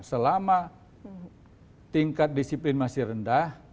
selama tingkat disiplin masih rendah